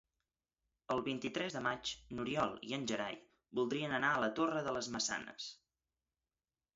El vint-i-tres de maig n'Oriol i en Gerai voldrien anar a la Torre de les Maçanes.